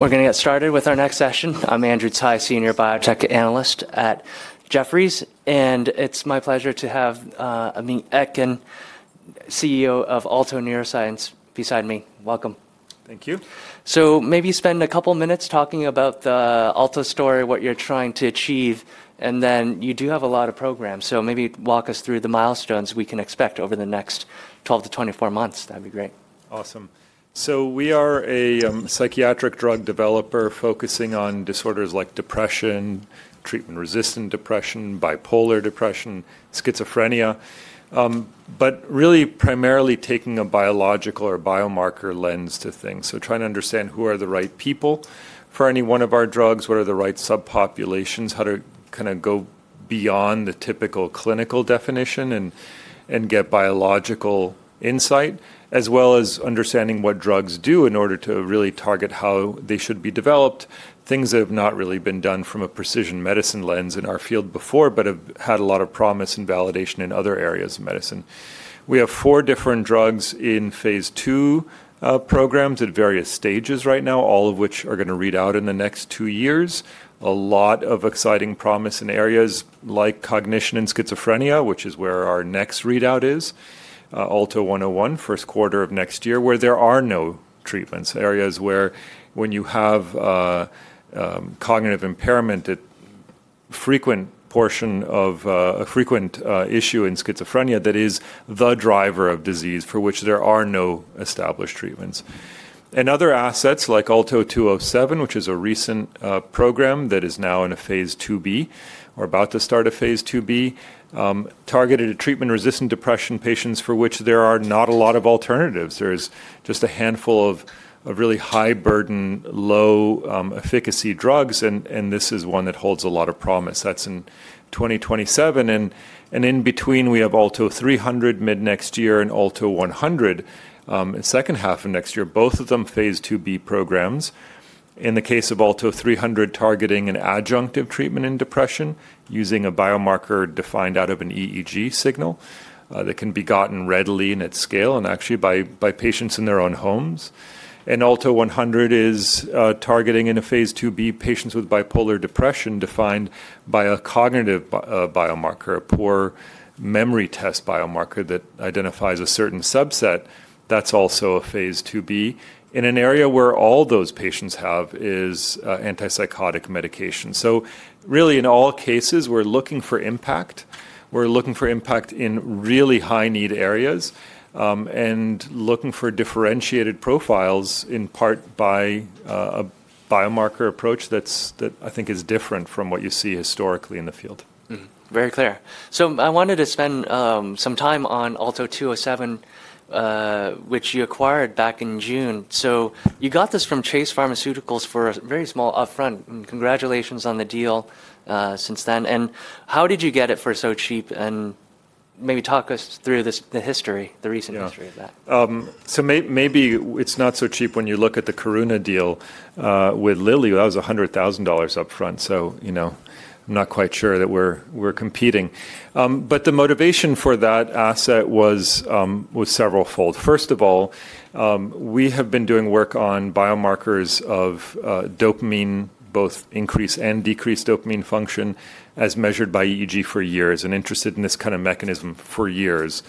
We're going to get started with our next session. I'm Andrew Tsai, Senior Biotech Analyst at Jefferies, and it's my pleasure to have Amit Etkin, CEO of Alto Neuroscience, beside me. Welcome. Thank you. Maybe spend a couple of minutes talking about the Alto story, what you're trying to achieve, and then you do have a lot of programs. Maybe walk us through the milestones we can expect over the next 12 to 24 months. That'd be great. Awesome. We are a psychiatric drug developer focusing on disorders like depression, treatment-resistant depression, bipolar depression, schizophrenia, but really primarily taking a biological or biomarker lens to things. Trying to understand who are the right people for any one of our drugs, what are the right subpopulations, how to kind of go beyond the typical clinical definition and get biological insight, as well as understanding what drugs do in order to really target how they should be developed, things that have not really been done from a precision medicine lens in our field before, but have had a lot of promise and validation in other areas of medicine. We have four different drugs in phase two programs at various stages right now, all of which are going to read out in the next two years. A lot of exciting promise in areas like cognition and schizophrenia, which is where our next readout is, Alto 101, first quarter of next year, where there are no treatments. Areas where when you have cognitive impairment, a frequent portion of a frequent issue in schizophrenia that is the driver of disease for which there are no established treatments. Other assets like Alto 207, which is a recent program that is now in a phase 2B, or about to start a phase 2B, targeted at treatment-resistant depression patients for which there are not a lot of alternatives. There is just a handful of really high-burden, low-efficacy drugs, and this is one that holds a lot of promise. That is in 2027. In between, we have Alto 300 mid-next year and Alto 100 in the second half of next year, both of them phase 2B programs. In the case of Alto 300, targeting an adjunctive treatment in depression using a biomarker defined out of an EEG signal that can be gotten readily and at scale and actually by patients in their own homes. Alto 100 is targeting in a phase 2B patients with bipolar depression defined by a cognitive biomarker, a poor memory test biomarker that identifies a certain subset. That's also a phase 2B in an area where all those patients have is antipsychotic medication. Really, in all cases, we're looking for impact. We're looking for impact in really high-need areas and looking for differentiated profiles in part by a biomarker approach that I think is different from what you see historically in the field. Very clear. I wanted to spend some time on Alto 207, which you acquired back in June. You got this from Chase Pharmaceuticals for a very small upfront. Congratulations on the deal since then. How did you get it for so cheap? Maybe talk us through the history, the recent history of that. Maybe it's not so cheap when you look at the Coruna deal with Lilly. That was $100,000 upfront. I'm not quite sure that we're competing. The motivation for that asset was several-fold. First of all, we have been doing work on biomarkers of dopamine, both increased and decreased dopamine function as measured by EEG for years and interested in this kind of mechanism for years.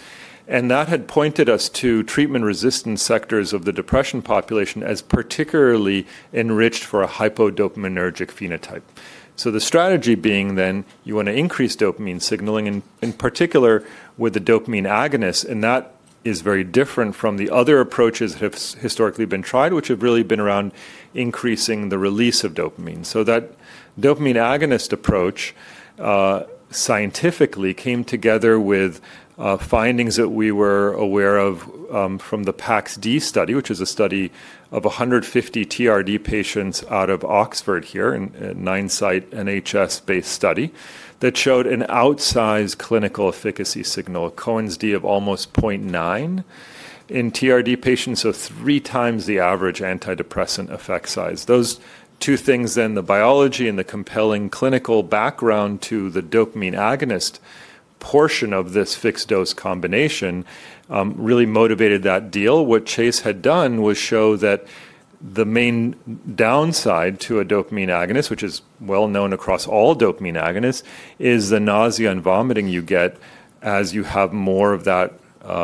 That had pointed us to treatment-resistant sectors of the depression population as particularly enriched for a hypodopaminergic phenotype. The strategy being then you want to increase dopamine signaling, in particular with the dopamine agonist. That is very different from the other approaches that have historically been tried, which have really been around increasing the release of dopamine. That dopamine agonist approach scientifically came together with findings that we were aware of from the PAXD study, which is a study of 150 TRD patients out of Oxford here in a NINDSITE NHS-based study that showed an outsized clinical efficacy signal, a Cohen's d of almost 0.9 in TRD patients, so three times the average antidepressant effect size. Those two things, then the biology and the compelling clinical background to the dopamine agonist portion of this fixed-dose combination, really motivated that deal. What Chase had done was show that the main downside to a dopamine agonist, which is well known across all dopamine agonists, is the nausea and vomiting you get as you have more of that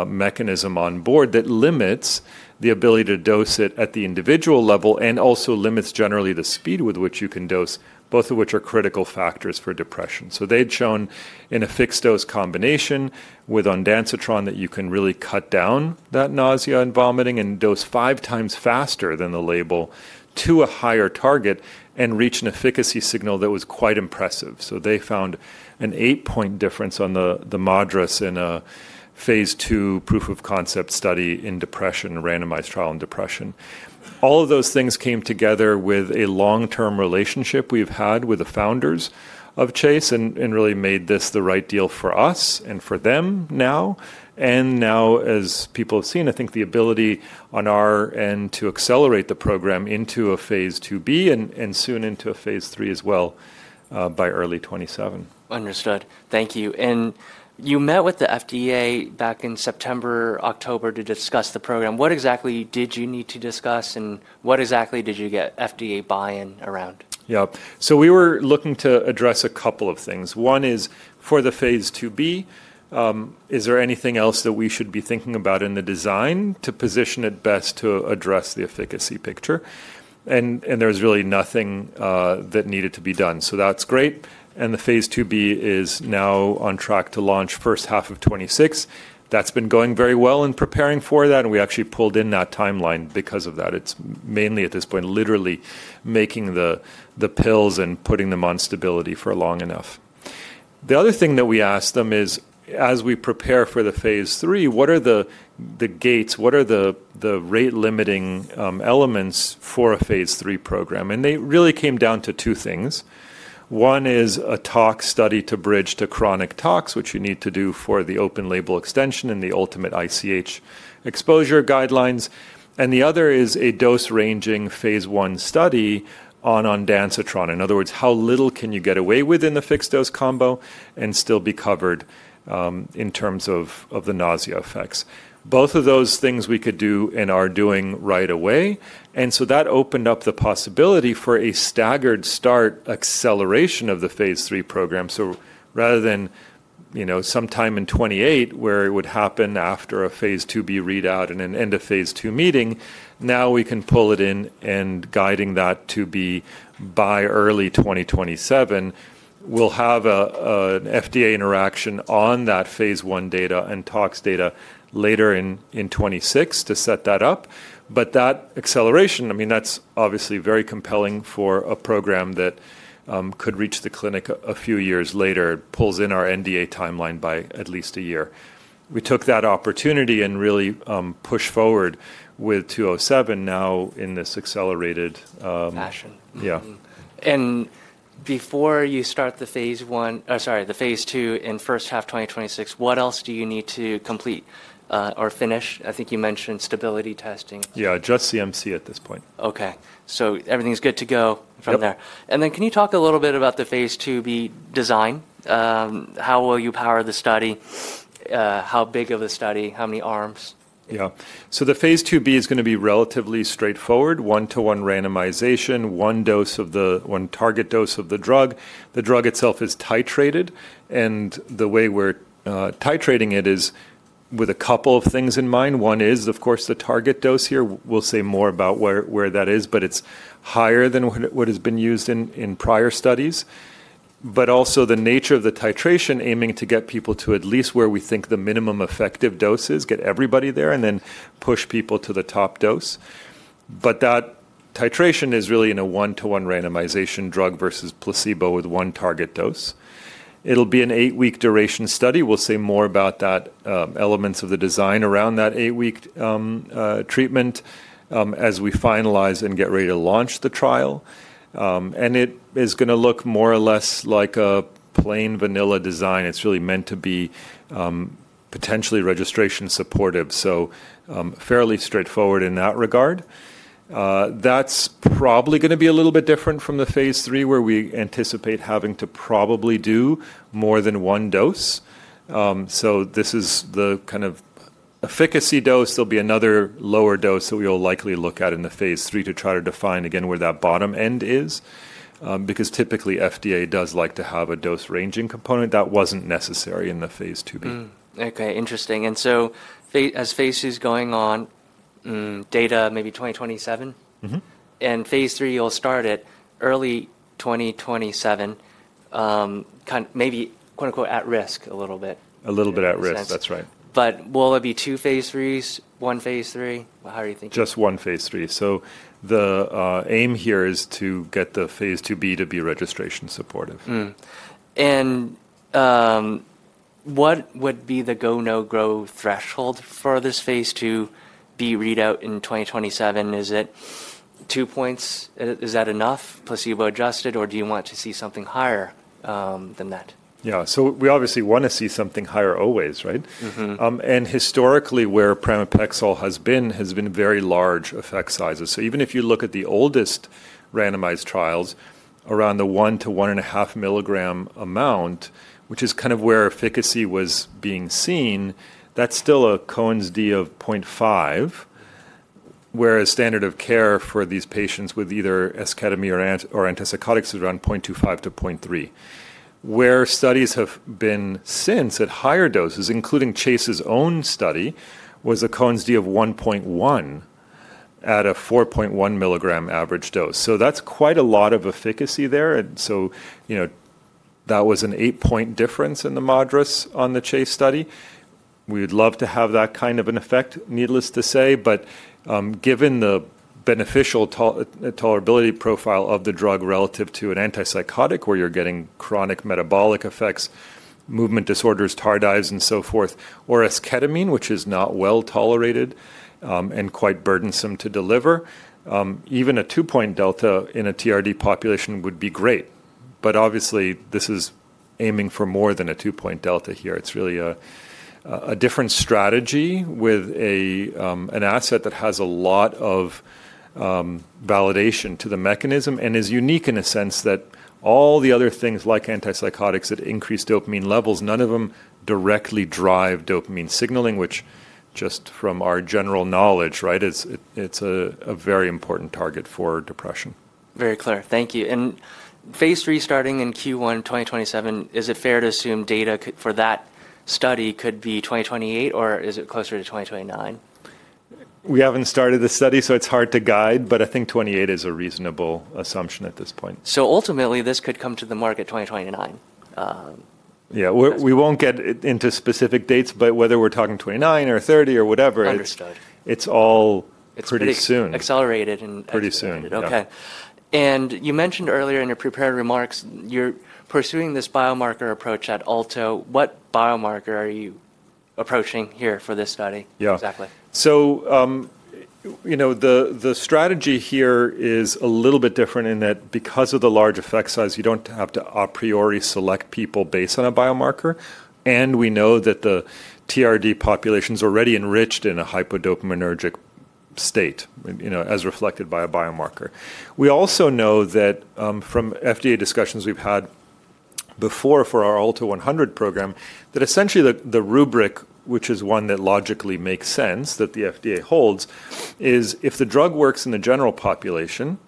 mechanism on board that limits the ability to dose it at the individual level and also limits generally the speed with which you can dose, both of which are critical factors for depression. They had shown in a fixed-dose combination with ondansetron that you can really cut down that nausea and vomiting and dose five times faster than the label to a higher target and reach an efficacy signal that was quite impressive. They found an eight-point difference on the moderates in a phase two proof of concept study in depression, a randomized trial in depression. All of those things came together with a long-term relationship we have had with the founders of Chase and really made this the right deal for us and for them now. Now, as people have seen, I think the ability on our end to accelerate the program into a phase 2B and soon into a phase 3 as well by early 2027. Understood. Thank you. You met with the FDA back in September, October to discuss the program. What exactly did you need to discuss and what exactly did you get FDA buy-in around? Yeah. We were looking to address a couple of things. One is for the phase 2B, is there anything else that we should be thinking about in the design to position it best to address the efficacy picture? There was really nothing that needed to be done. That's great. The phase 2B is now on track to launch first half of 2026. That's been going very well in preparing for that. We actually pulled in that timeline because of that. It's mainly at this point literally making the pills and putting them on stability for long enough. The other thing that we asked them is, as we prepare for the phase 3, what are the gates? What are the rate-limiting elements for a phase 3 program? They really came down to two things. One is a TOX study to bridge to chronic TOX, which you need to do for the open label extension and the ultimate ICH exposure guidelines. The other is a dose-ranging phase one study on ondansetron. In other words, how little can you get away with in the fixed-dose combo and still be covered in terms of the nausea effects? Both of those things we could do and are doing right away. That opened up the possibility for a staggered start acceleration of the phase 3 program. Rather than some time in 2028, where it would happen after a phase 2B readout and an end of phase 2 meeting, now we can pull it in and guiding that to be by early 2027. We'll have an FDA interaction on that phase one data and TOX data later in 2026 to set that up. That acceleration, I mean, that's obviously very compelling for a program that could reach the clinic a few years later, pulls in our NDA timeline by at least a year. We took that opportunity and really pushed forward with 207 now in this accelerated. Fashion. Yeah. Before you start the phase two in first half 2026, what else do you need to complete or finish? I think you mentioned stability testing. Yeah, just CMC at this point. Okay. Everything's good to go from there. Can you talk a little bit about the phase 2B design? How will you power the study? How big of a study? How many arms? Yeah. The phase 2B is going to be relatively straightforward, one-to-one randomization, one dose of the one target dose of the drug. The drug itself is titrated. The way we're titrating it is with a couple of things in mind. One is, of course, the target dose here. We'll say more about where that is, but it's higher than what has been used in prior studies. Also, the nature of the titration, aiming to get people to at least where we think the minimum effective dose is, get everybody there, and then push people to the top dose. That titration is really in a one-to-one randomization drug versus placebo with one target dose. It'll be an eight-week duration study. We'll say more about that, elements of the design around that eight-week treatment as we finalize and get ready to launch the trial. It is going to look more or less like a plain vanilla design. It's really meant to be potentially registration supportive. So fairly straightforward in that regard. That's probably going to be a little bit different from the phase 3, where we anticipate having to probably do more than one dose. This is the kind of efficacy dose. There'll be another lower dose that we will likely look at in the phase 3 to try to define, again, where that bottom end is, because typically FDA does like to have a dose-ranging component. That wasn't necessary in the phase 2B. Okay. Interesting. As phase 2 is going on, data maybe 2027. Phase 3, you'll start it early 2027, maybe "at risk" a little bit. A little bit at risk. That's right. Will it be two phase 3s, one phase 3? How are you thinking? Just one phase 3. The aim here is to get the phase 2B to be registration supportive. What would be the go/no-go threshold for this phase 2B readout in 2027? Is it two points? Is that enough? Placebo adjusted? Or do you want to see something higher than that? Yeah. So we obviously want to see something higher always, right? Historically, where pramipexole has been has been very large effect sizes. Even if you look at the oldest randomized trials around the one to one and a half milligram amount, which is kind of where efficacy was being seen, that's still a Cohen's d of 0.5, whereas standard of care for these patients with either esketamine or antipsychotics is around 0.25-0.3. Where studies have been since at higher doses, including Chase's own study, was a Cohen's d of 1.1 at a 4.1 milligram average dose. That's quite a lot of efficacy there. That was an eight-point difference in the moderates on the Chase study. We would love to have that kind of an effect, needless to say. Given the beneficial tolerability profile of the drug relative to an antipsychotic where you're getting chronic metabolic effects, movement disorders, tardives, and so forth, or esketamine, which is not well tolerated and quite burdensome to deliver, even a two-point delta in a TRD population would be great. Obviously, this is aiming for more than a two-point delta here. It's really a different strategy with an asset that has a lot of validation to the mechanism and is unique in a sense that all the other things like antipsychotics that increase dopamine levels, none of them directly drive dopamine signaling, which just from our general knowledge, right, it's a very important target for depression. Very clear. Thank you. And phase 3 starting in Q1 2027, is it fair to assume data for that study could be 2028, or is it closer to 2029? We haven't started the study, so it's hard to guide. I think 2028 is a reasonable assumption at this point. Ultimately, this could come to the market 2029. Yeah. We won't get into specific dates, but whether we're talking 2029 or 2030 or whatever, it's all pretty soon. Accelerated and. Pretty soon. Okay. You mentioned earlier in your prepared remarks, you're pursuing this biomarker approach at Alto. What biomarker are you approaching here for this study? Yeah. Exactly. The strategy here is a little bit different in that because of the large effect size, you do not have to a priori select people based on a biomarker. We know that the TRD population is already enriched in a hypodopaminergic state, as reflected by a biomarker. We also know that from FDA discussions we have had before for our Alto 100 program, that essentially the rubric, which is one that logically makes sense that the FDA holds, is if the drug works in the general population,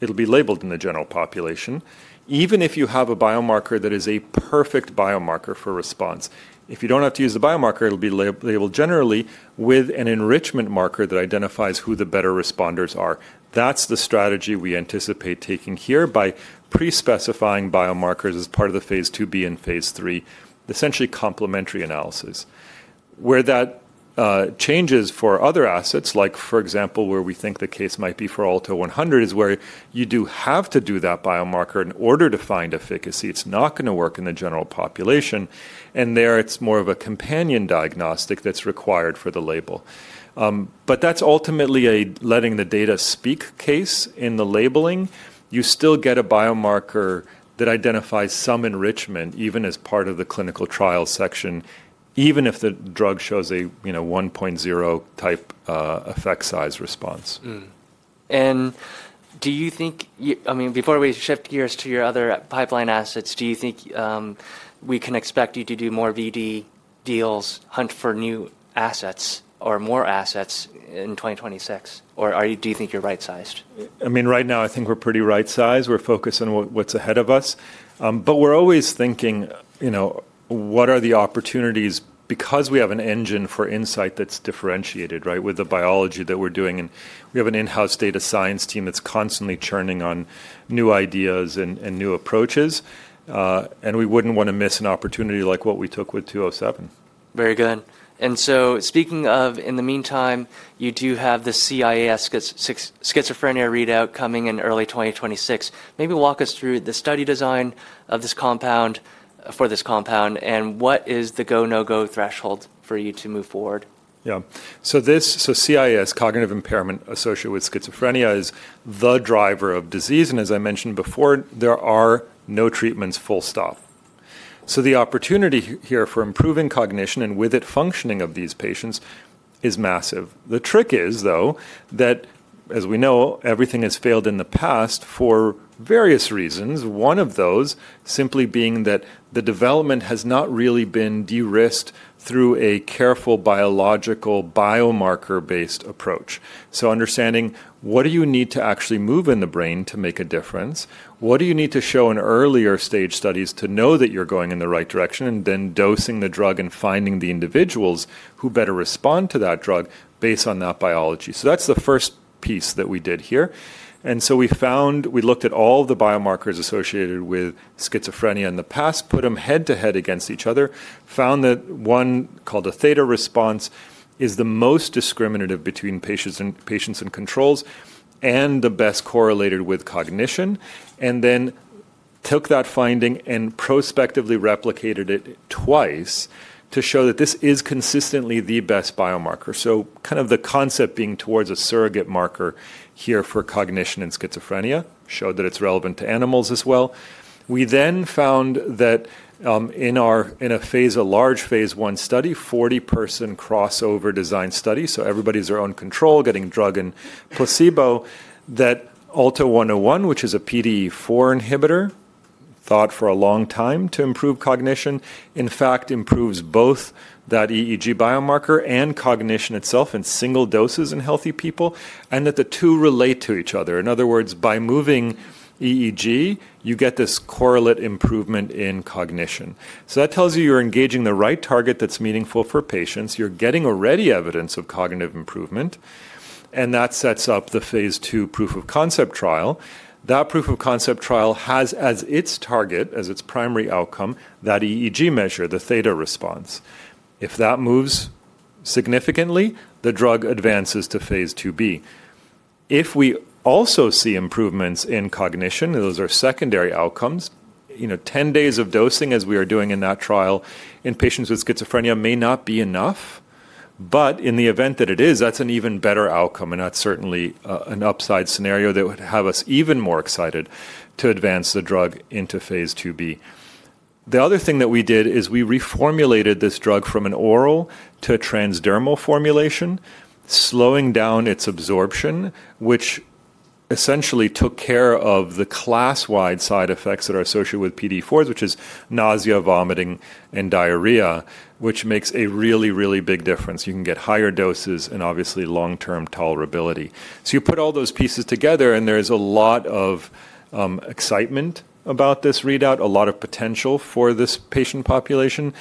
it will be labeled in the general population. Even if you have a biomarker that is a perfect biomarker for response, if you do not have to use the biomarker, it will be labeled generally with an enrichment marker that identifies who the better responders are. That's the strategy we anticipate taking here by pre-specifying biomarkers as part of the phase 2B and phase 3, essentially complementary analysis. Where that changes for other assets, like for example, where we think the case might be for Alto 100, is where you do have to do that biomarker in order to find efficacy. It's not going to work in the general population. There, it's more of a companion diagnostic that's required for the label. That's ultimately a letting the data speak case in the labeling. You still get a biomarker that identifies some enrichment, even as part of the clinical trial section, even if the drug shows a 1.0 type effect size response. Do you think, I mean, before we shift gears to your other pipeline assets, do you think we can expect you to do more BD deals, hunt for new assets or more assets in 2026? Or do you think you're right-sized? I mean, right now, I think we're pretty right-sized. We're focused on what's ahead of us. We are always thinking, what are the opportunities? We have an engine for insight that's differentiated, right, with the biology that we're doing. We have an in-house data science team that's constantly churning on new ideas and new approaches. We wouldn't want to miss an opportunity like what we took with 207. Very good. And so speaking of, in the meantime, you do have the CIAS schizophrenia readout coming in early 2026. Maybe walk us through the study design of this compound for this compound and what is the go/no-go threshold for you to move forward? Yeah. CIAS, cognitive impairment associated with schizophrenia, is the driver of disease. As I mentioned before, there are no treatments, full stop. The opportunity here for improving cognition and with it functioning of these patients is massive. The trick is, though, that as we know, everything has failed in the past for various reasons, one of those simply being that the development has not really been de-risked through a careful biological biomarker-based approach. Understanding what do you need to actually move in the brain to make a difference? What do you need to show in earlier stage studies to know that you're going in the right direction and then dosing the drug and finding the individuals who better respond to that drug based on that biology? That's the first piece that we did here. We found we looked at all the biomarkers associated with schizophrenia in the past, put them head-to-head against each other, found that one called a theta response is the most discriminative between patients and controls and the best correlated with cognition, and then took that finding and prospectively replicated it twice to show that this is consistently the best biomarker. Kind of the concept being towards a surrogate marker here for cognition and schizophrenia showed that it's relevant to animals as well. We then found that in a large phase one study, 40-person crossover design study, so everybody's their own control getting drug and placebo, that Alto 101, which is a PDE4 inhibitor, thought for a long time to improve cognition, in fact, improves both that EEG biomarker and cognition itself in single doses in healthy people, and that the two relate to each other. In other words, by moving EEG, you get this correlate improvement in cognition. That tells you you're engaging the right target that's meaningful for patients. You're getting already evidence of cognitive improvement. That sets up the phase two proof of concept trial. That proof of concept trial has as its target, as its primary outcome, that EEG measure, the theta response. If that moves significantly, the drug advances to phase 2B. If we also see improvements in cognition, those are secondary outcomes. Ten days of dosing, as we are doing in that trial in patients with schizophrenia, may not be enough. In the event that it is, that's an even better outcome. That's certainly an upside scenario that would have us even more excited to advance the drug into phase 2B. The other thing that we did is we reformulated this drug from an oral to a transdermal formulation, slowing down its absorption, which essentially took care of the class-wide side effects that are associated with PDE4s, which is nausea, vomiting, and diarrhea, which makes a really, really big difference. You can get higher doses and obviously long-term tolerability. You put all those pieces together, and there is a lot of excitement about this readout, a lot of potential for this patient population,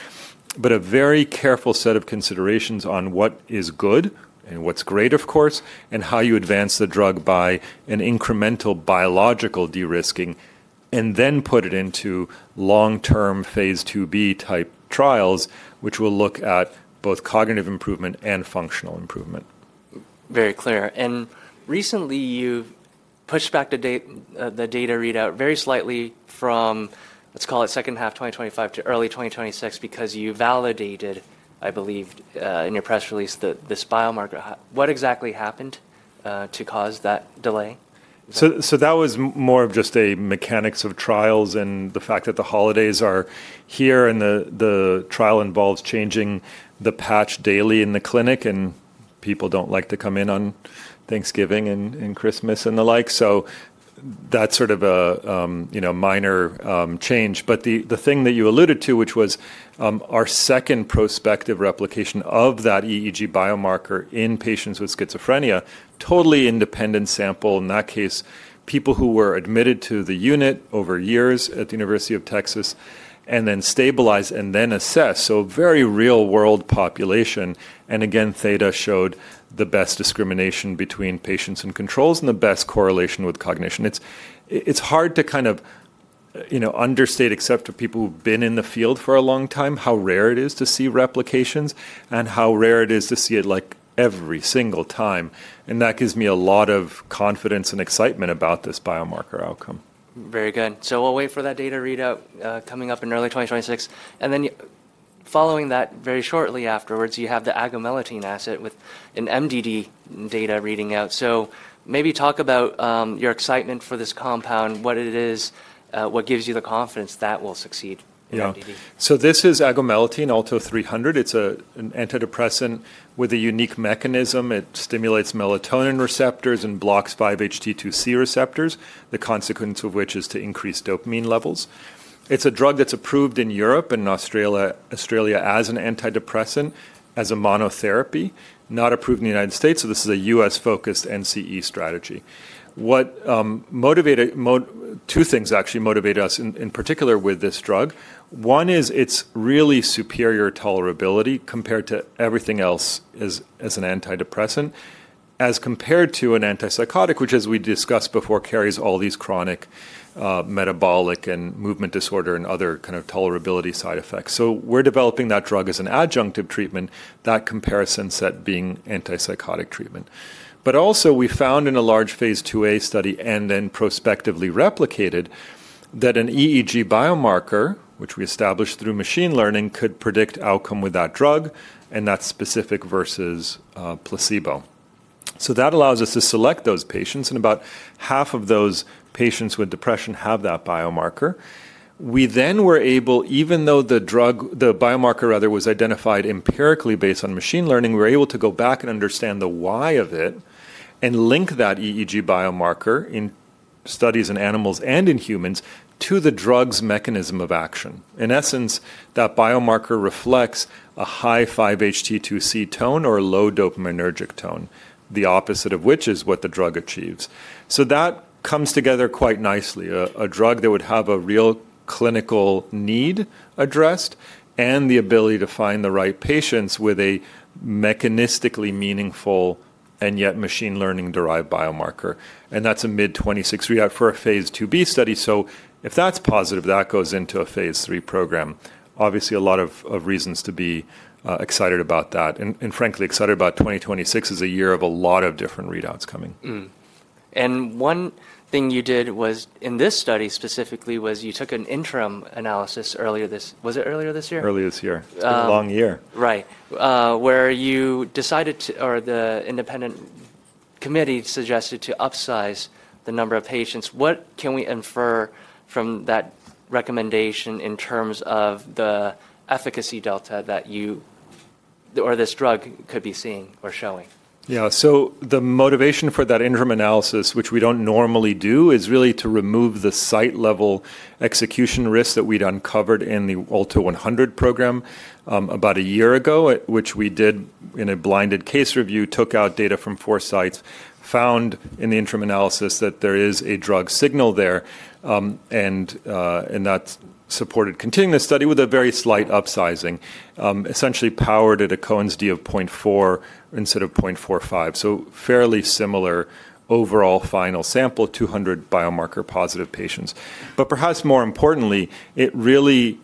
but a very careful set of considerations on what is good and what's great, of course, and how you advance the drug by an incremental biological de-risking and then put it into long-term phase 2B type trials, which will look at both cognitive improvement and functional improvement. Very clear. Recently, you've pushed back the data readout very slightly from, let's call it second half 2025 to early 2026 because you validated, I believe, in your press release this biomarker. What exactly happened to cause that delay? That was more of just a mechanics of trials and the fact that the holidays are here and the trial involves changing the patch daily in the clinic. People do not like to come in on Thanksgiving and Christmas and the like. That is sort of a minor change. The thing that you alluded to, which was our second prospective replication of that EEG biomarker in patients with schizophrenia, totally independent sample in that case, people who were admitted to the unit over years at the University of Texas and then stabilized and then assessed. Very real-world population. Again, theta showed the best discrimination between patients and controls and the best correlation with cognition. It's hard to kind of understate except for people who've been in the field for a long time how rare it is to see replications and how rare it is to see it like every single time. That gives me a lot of confidence and excitement about this biomarker outcome. Very good. We'll wait for that data readout coming up in early 2026. Following that, very shortly afterwards, you have the agomelatine asset with an MDD data reading out. Maybe talk about your excitement for this compound, what it is, what gives you the confidence that will succeed in MDD. Yeah. So this is agomelatine Alto 300. It's an antidepressant with a unique mechanism. It stimulates melatonin receptors and blocks 5-HT2C receptors, the consequence of which is to increase dopamine levels. It's a drug that's approved in Europe and Australia as an antidepressant as a monotherapy, not approved in the U.S. So this is a U.S.-focused NCE strategy. Two things actually motivate us in particular with this drug. One is its really superior tolerability compared to everything else as an antidepressant, as compared to an antipsychotic, which, as we discussed before, carries all these chronic metabolic and movement disorder and other kind of tolerability side effects. We're developing that drug as an adjunctive treatment, that comparison set being antipsychotic treatment. We also found in a large phase 2A study and then prospectively replicated that an EEG biomarker, which we established through machine learning, could predict outcome with that drug and that specific versus placebo. That allows us to select those patients. About half of those patients with depression have that biomarker. We then were able, even though the biomarker was identified empirically based on machine learning, to go back and understand the why of it and link that EEG biomarker in studies in animals and in humans to the drug's mechanism of action. In essence, that biomarker reflects a high 5-HT2C tone or a low dopaminergic tone, the opposite of which is what the drug achieves. That comes together quite nicely, a drug that would have a real clinical need addressed and the ability to find the right patients with a mechanistically meaningful and yet machine learning-derived biomarker. That is a mid-2026 readout for a phase 2B study. If that is positive, that goes into a phase 3 program. Obviously, a lot of reasons to be excited about that. Frankly, excited about 2026 as a year of a lot of different readouts coming. One thing you did in this study specifically was you took an interim analysis earlier. This was it earlier this year? Earlier this year. It was a long year. Right. Where you decided to, or the independent committee suggested to upsize the number of patients. What can we infer from that recommendation in terms of the efficacy delta that this drug could be seeing or showing? Yeah. The motivation for that interim analysis, which we do not normally do, is really to remove the site-level execution risk that we had uncovered in the Alto 100 program about a year ago, which we did in a blinded case review, took out data from four sites, found in the interim analysis that there is a drug signal there. That supported continuing the study with a very slight upsizing, essentially powered at a Cohen's d of 0.4 instead of 0.45. Fairly similar overall final sample, 200 biomarker-positive patients. Perhaps more importantly, it was really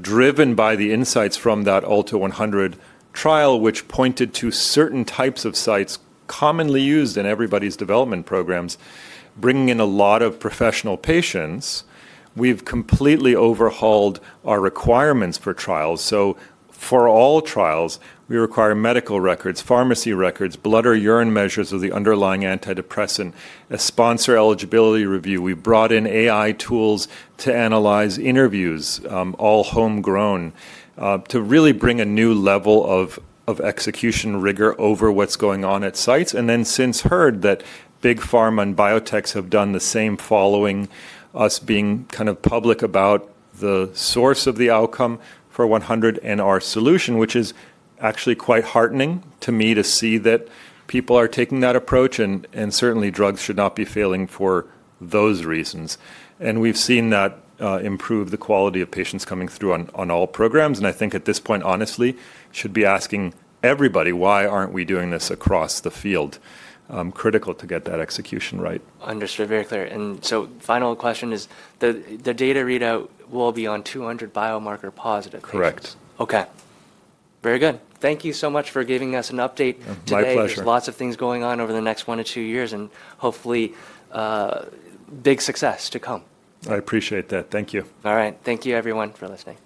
driven by the insights from that Alto 100 trial, which pointed to certain types of sites commonly used in everybody's development programs, bringing in a lot of professional patients. We have completely overhauled our requirements for trials. For all trials, we require medical records, pharmacy records, blood or urine measures of the underlying antidepressant, a sponsor eligibility review. We brought in AI tools to analyze interviews, all homegrown, to really bring a new level of execution rigor over what is going on at sites. Since then, I have heard that big pharma and biotechs have done the same following us being kind of public about the source of the outcome for 100 and our solution, which is actually quite heartening to me to see that people are taking that approach. Certainly, drugs should not be failing for those reasons. We have seen that improve the quality of patients coming through on all programs. I think at this point, honestly, we should be asking everybody, why are we not doing this across the field? It is critical to get that execution right. Understood. Very clear. Final question is the data readout will be on 200 biomarker-positive. Correct. Okay. Very good. Thank you so much for giving us an update today. My pleasure. There's lots of things going on over the next one to two years, and hopefully, big success to come. I appreciate that. Thank you. All right. Thank you, everyone, for listening.